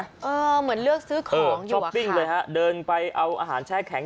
เหมือนเลือกซื้อของช้อปปิ้งเลยฮะเดินไปเอาอาหารแช่แข็ง